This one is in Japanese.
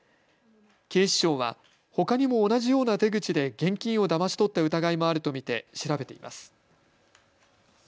警視庁はほかにも同じような手口で現金をだまし取った疑いもあると見て調べています。